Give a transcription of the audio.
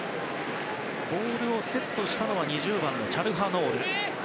ボールをセットしたのは２０番のチャルハノール。